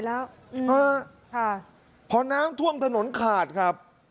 เอิ่มพอน้ำถว้มถนนคาดครับ